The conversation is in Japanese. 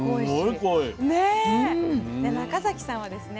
で中崎さんはですね